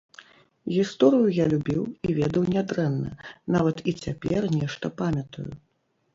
Гісторыю я любіў і ведаў нядрэнна, нават і цяпер нешта памятаю.